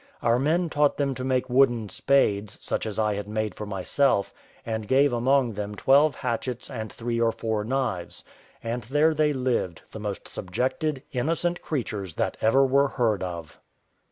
Our men taught them to make wooden spades, such as I made for myself, and gave among them twelve hatchets and three or four knives; and there they lived, the most subjected, innocent creatures that ever were heard of.